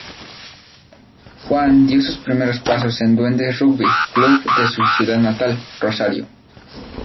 Juan dio sus primeros pasos en Duendes Rugby Club de su ciudad natal, Rosario.